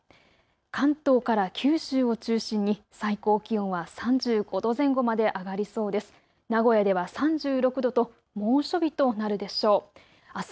関東から九州を中心に最高気温は３５度前後まで上がりそうです。